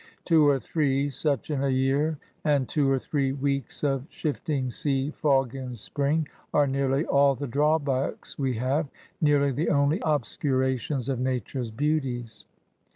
Two or three such in a year, and two or three weeks of shifting sea fog in spring, are nearly all the drawbacks we have; nearly the only obscu rations of Nature's beauties.